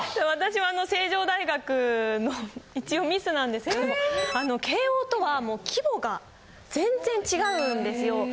私はあの成城大学の一応ミスなんですけどあの慶應とは規模がもう全然違うんですよ。